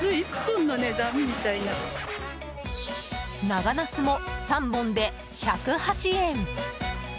長ナスも、３本で１０８円。